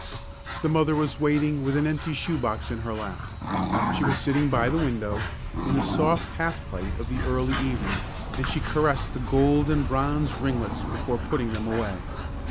The mother was waiting with an empty shoe box in her lap. She was sitting by the window, in the soft half light of the early evening, and she caressed the golden bronze ringlets before putting them away.